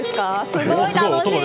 すごい楽しい！